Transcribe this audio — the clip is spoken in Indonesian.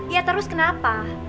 ya terus kenapa